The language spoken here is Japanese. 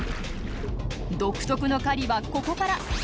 独特の狩りはここから。